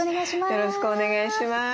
よろしくお願いします。